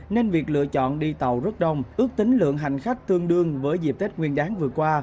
nên việc lựa chọn đi tàu rất đông ước tính lượng hành khách tương đương với dịp tết nguyên đáng vừa qua